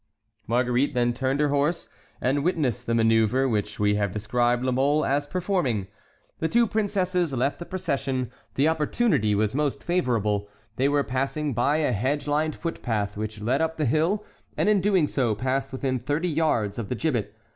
Marguerite then turned her horse and witnessed the manœuvre which we have described La Mole as performing. The two princesses left the procession; the opportunity was most favorable: they were passing by a hedge lined footpath which led up the hill, and in doing so passed within thirty yards of the gibbet.